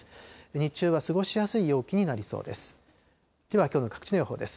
日中は過ごしやすい陽気になりそうです。